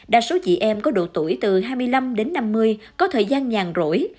đa số chị em có độ tuổi từ hai mươi năm đến năm mươi có thời gian nhàn rỗi